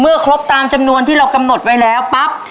ครบตามจำนวนที่เรากำหนดไว้แล้วปั๊บ